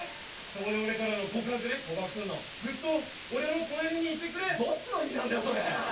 そこで俺からの告白ね告白すんのずっと俺の隣にいてくれどっちの意味なんだよそれ？